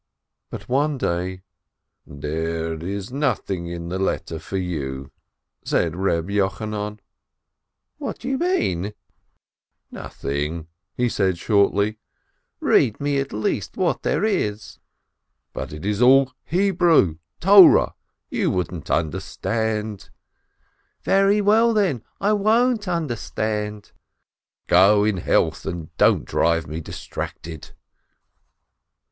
But one day, "There is nothing in the letter for you," said Reb Yochanan. "What do you mean ?" "Nothing," he said shortly. "Read me at least what there is." "But it is all Hebrew, Torah, you won't understand." "Very well, then, I won't understand ..." "Go in health, and don't drive me distracted."